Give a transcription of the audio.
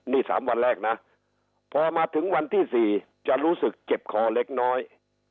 นี่๓วันแรกนะพอมาถึงวันที่๔จะรู้สึกเจ็บคอเล็กน้อย